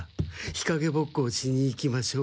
日陰ぼっこをしに行きましょう。